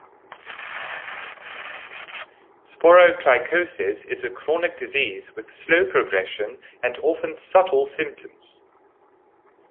Sporotrichosis is a chronic disease with slow progression and often subtle symptoms.